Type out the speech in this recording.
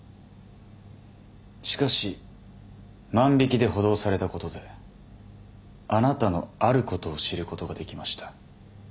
しかし万引きで補導されたことであなたのあることを知ることができました。